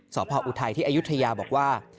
สอบพออุทัยที่อายุทยาบอกว่า